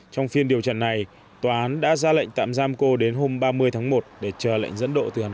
hai một trong phiên điều trần này tòa án đã ra lệnh tạm giam cô đến hôm ba mươi một để chờ lệnh dẫn độ từ hàn